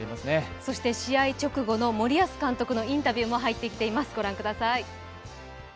そして試合直後の森保監督のインタビューもご覧ください。